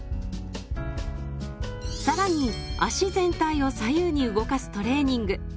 さらに足全体を左右に動かすトレーニング